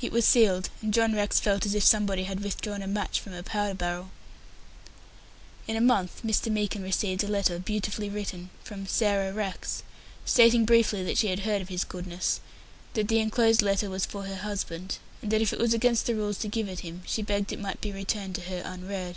It was sealed, and John Rex felt as if somebody had withdrawn a match from a powder barrel. In a month Mr. Meekin received a letter, beautifully written, from "Sarah Rex", stating briefly that she had heard of his goodness, that the enclosed letter was for her husband, and that if it was against the rules to give it him, she begged it might be returned to her unread.